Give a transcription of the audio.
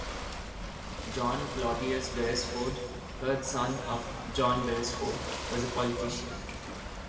John Claudius Beresford, third son of John Beresford, was a politician.